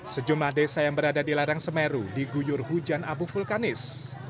sejumlah desa yang berada di larang semeru diguyur hujan abu vulkanis